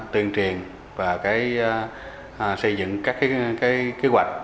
tuyên truyền và xây dựng các kế hoạch